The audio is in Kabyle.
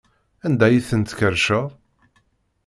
Anda ay ten-tkerrceḍ?